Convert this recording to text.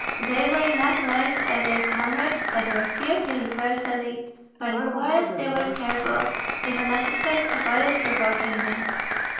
They were not liked by their comrades, but were feared universally, for in quarrels they were terrible; even officers avoided provoking them.